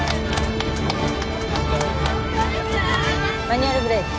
マニュアルブレーキ。